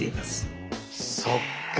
そっか。